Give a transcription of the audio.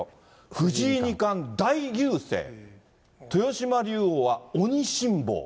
藤井二冠、大優勢、豊島竜王は鬼辛抱。